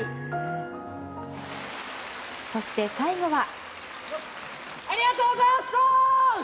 そして、最後は。